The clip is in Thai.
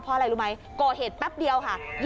เพราะอะไรรู้ไหมก่อเหตุแป๊บเดียวค่ะ